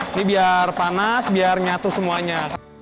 ini biar panas biar nyatu semuanya